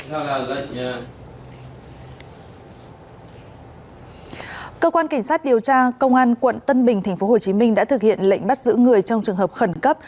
mở rộng điều tra cơ quan cảnh sát điều tra công an quận tân bình tp hcm đã thực hiện lệnh bắt giữ người trong trường hợp khẩn cấp